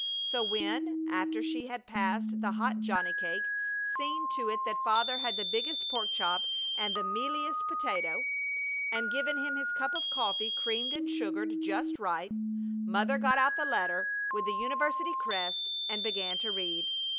So when, after she had passed the hot johnny cake, seen to it that Father had the biggest pork chop and the mealiest potato, and given him his cup of coffee creamed and sugared just right, Mother got out the letter with the university crest and began to read.